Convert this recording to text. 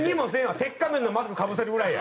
鉄仮面のマスクかぶせるぐらいや！